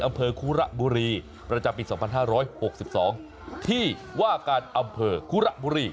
อำเภอคุระบุรีประจำปี๒๕๖๒ที่ว่าการอำเภอคุระบุรี